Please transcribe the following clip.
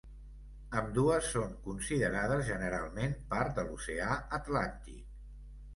Ambdues són considerades generalment part de l'oceà Atlàntic.